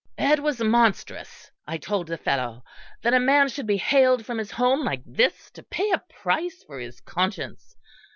"It was monstrous, I told the fellow, that a man should be haled from his home like this to pay a price for his conscience.